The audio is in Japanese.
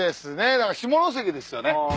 だから下関ですよね。